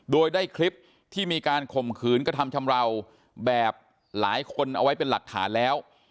โดยได้คลิปที่มีการข่มขืนกระทำชำราวแบบหลายคนเอาไว้เป็นหลักฐานแล้ว